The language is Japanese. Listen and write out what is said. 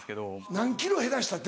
何ｋｇ減らしたって？